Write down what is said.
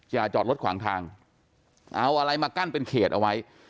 อย่าจอดรถขวางทางเอาอะไรมากั้นเป็นเขตเอาไว้